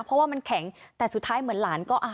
เพราะว่ามันแข็งแต่สุดท้ายเหมือนหลานก็อ่ะ